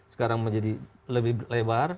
sekarang menjadi lebih lebar